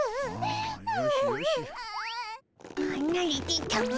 はなれてたも。